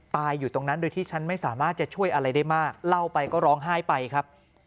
อยู่ตรงนั้นโดยที่ฉันไม่สามารถจะช่วยอะไรได้มากเล่าไปก็ร้องไห้ไปครับ